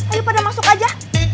ayo pada masuk aja